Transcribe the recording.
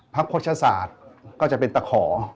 โฆษศาสตร์ก็จะเป็นตะขอ